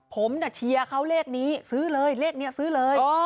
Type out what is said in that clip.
ผมเชียร์เขาเลขนี้ซื้อเลยเลขนี้ซื้อเลย